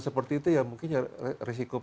seperti itu ya mungkin ya risiko